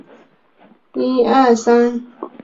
中间假糙苏为唇形科假糙苏属下的一个种。